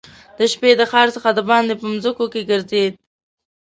د شپې د ښار څخه دباندي په مځکو کې ګرځېد.